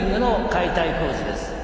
解体工事です。